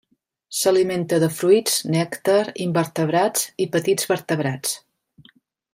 S'alimenta de fruits, nèctar, invertebrats i petits vertebrats.